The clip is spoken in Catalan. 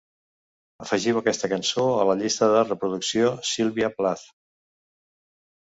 Afegiu aquesta cançó a la llista de reproducció Sylvia Plath